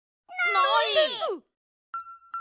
ないです！